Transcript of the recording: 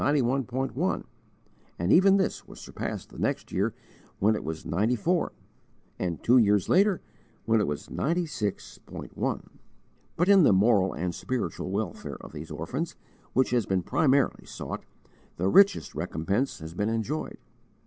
1, and even this was surpassed the next year when it was 94, and, two years later, when it was 96.1. But in the moral and spiritual welfare of these orphans, which has been primarily sought, the richest recompense has been enjoyed.